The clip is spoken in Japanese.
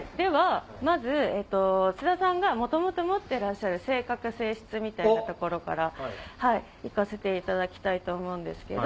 まず津田さんが元々持ってらっしゃる性格性質みたいなところから行かせていただきたいと思うんですけど。